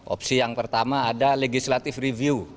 opsi yang pertama ada legislative review